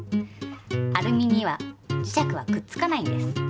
アルミには磁石はくっつかないんです。